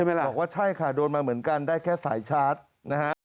บอกว่าใช่ค่ะโดนมาเหมือนกันได้แค่สายชาร์จนะฮะ